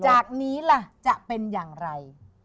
จากนี้ล่ะจะเป็นอย่างไร